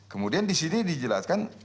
kemudian disini dijelaskan